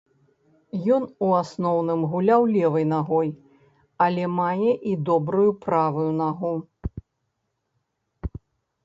Ён, у асноўным, гуляў левай нагой, але мае і добрую правую нагу.